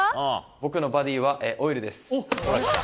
僕のバディはオイルです。